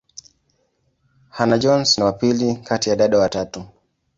Hannah-Jones ni wa pili kati ya dada watatu.